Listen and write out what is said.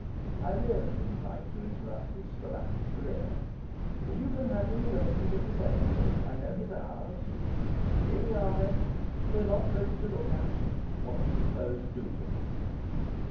I really didn't like to interrupt his scholastic career; but you can have him arrested at the seminary I know his hours. Here we are then; we're not pretty to look at: what do you propose to do with us?